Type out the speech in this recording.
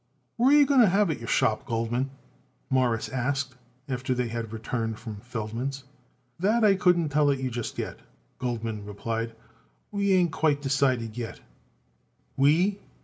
"Where are you going to have it your shop, Goldman?" Morris asked, after they had returned from Feldman's. "That I couldn't tell it you just yet," Goldman replied. "We ain't quite decided yet." "We!"